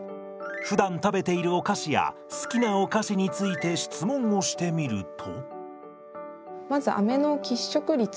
ふだん食べているお菓子や好きなお菓子について質問をしてみると。